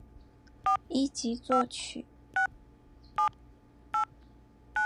一级作曲。